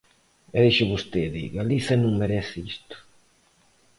E dixo vostede: Galiza non merece isto.